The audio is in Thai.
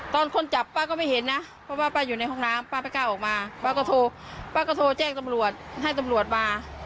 ตอนคนจับป้าก็ไม่เห็นนะเพราะว่าป้าอยู่ในห้องน้ำป้าไม่กล้าออกมาป้าก็โทรป้าก็โทรแจ้งตำรวจให้ตำรวจมา